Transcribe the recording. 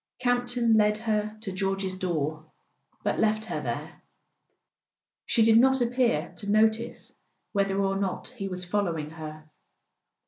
Camp ton led her to George's door, but left her there; she did not appear to notice whether or not he was following her.